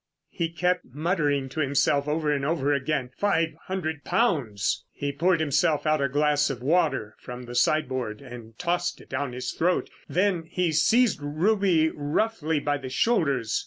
He kept muttering to himself over and over again. "Five hundred pounds!" He poured himself out a glass of water from the sideboard and tossed it down his throat. Then he seized Ruby roughly by the shoulders.